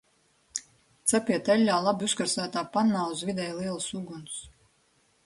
Cepiet eļļā labi uzkarsētā pannā uz vidēji lielas uguns.